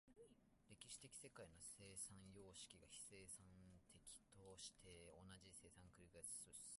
歴史的世界の生産様式が非生産的として、同じ生産が繰り返されると考えられる時、それが普通に考えられる如き直線的進行の時である。